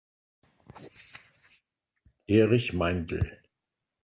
Erich Meindl.